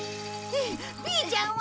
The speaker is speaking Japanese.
ピーちゃんは？